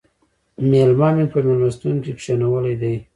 مېلما مې په مېلمستون کې کښېناولی دی